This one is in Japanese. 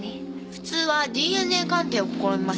普通はＤＮＡ鑑定を試みますよね。